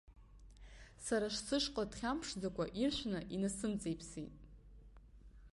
Сара сышҟа дхьамԥшӡакәа, иршәны инасымҵеиԥсеит.